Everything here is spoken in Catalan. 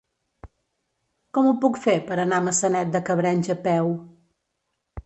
Com ho puc fer per anar a Maçanet de Cabrenys a peu?